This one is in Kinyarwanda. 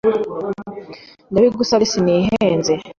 ndabigusabye sinihenze